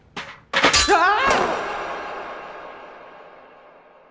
ああ！